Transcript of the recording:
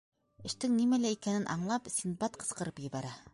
Эштең нимәлә икәнен аңлап, Синдбад ҡысҡырып ебәрә: